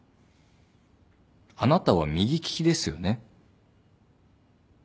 あなたは右利きですよね。